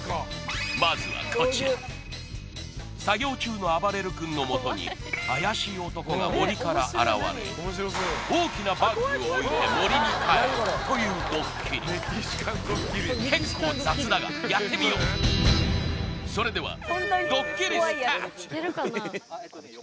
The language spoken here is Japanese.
まずはこちら作業中のあばれる君のもとに怪しい男が森から現れ大きなバッグを置いて森に帰るというドッキリそれではえっとね